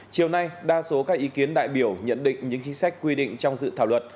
chiều nay đa số các ý kiến đại biểu nhận định những chính sách quy định trong dự thảo luật